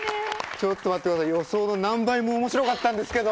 ちょっと待ってください予想の何倍も面白かったんですけど！